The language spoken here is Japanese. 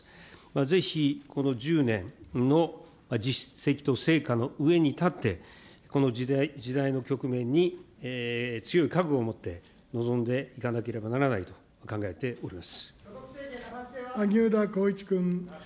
ぜひこの１０年の実績と成果の上に立って、この時代、時代の局面に強い覚悟をもって臨んでいかなければならないと考え萩生田光一君。